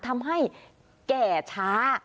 ทำให้แก่ช้า